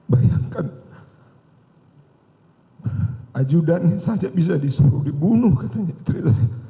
bayangkan ajudannya saja bisa disuruh dibunuh katanya ceritanya